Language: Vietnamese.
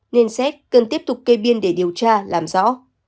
nên xét cần tiếp tục kê biên để điều tra làm rõ